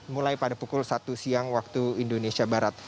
mulai pada pukul satu siang waktu indonesia barat